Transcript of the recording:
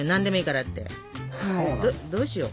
どうしよう？